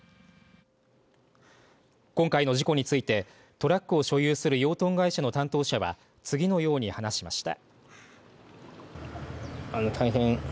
今回の事故についてトラックを所有する養豚会社の担当者は次のように話しました。